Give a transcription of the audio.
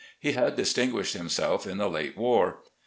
He had distinguished himself in the late war.